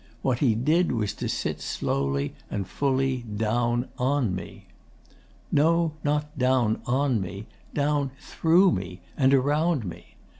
What he did was to sit slowly and fully down on me. 'No, not down ON me. Down THROUGH me and around me.